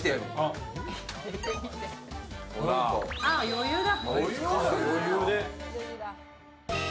余裕だ。